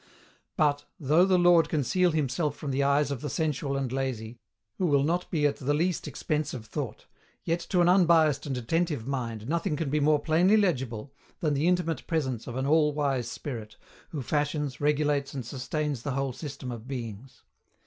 But, though the Lord conceal Himself from the eyes of the sensual and lazy, who will not be at the least expense of thought, yet to an unbiased and attentive mind nothing can be more plainly legible than the intimate presence of an All wise Spirit, who fashions, regulates and sustains the whole system of beings.